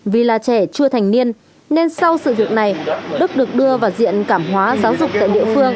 vì là trẻ chưa thành niên nên sau sự việc này đức được đưa vào diện cảm hóa giáo dục tại địa phương